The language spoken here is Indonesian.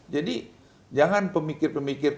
jadi jangan pemikir pemikir